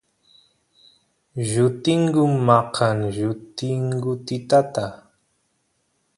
llutingu maqan llutingutitata